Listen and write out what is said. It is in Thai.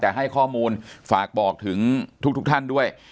แต่ให้ข้อมูลฝากบอกถึงทุกท่านด้วย